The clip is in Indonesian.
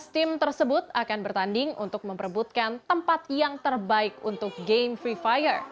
dua belas tim tersebut akan bertanding untuk memperebutkan tempat yang terbaik untuk game free fire